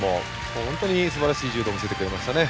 本当にすばらしい柔道を見せてくれましたね。